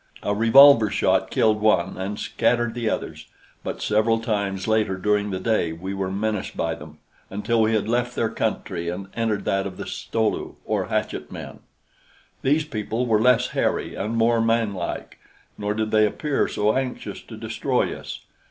A revolver shot killed one and scattered the others; but several times later during the day we were menaced by them, until we had left their country and entered that of the Sto lu, or hatchet men. These people were less hairy and more man like; nor did they appear so anxious to destroy us.